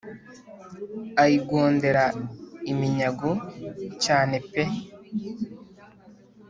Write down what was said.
ayigondera iminyago cyane pe